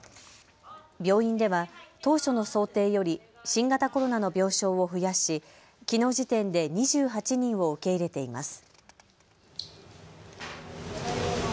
病院では当初の想定より新型コロナの病床を増やしきのう時点で２８人を受け入れています。